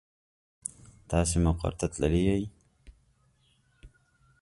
تاسې مقر ته تللي يئ.